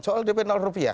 soal dp rupiah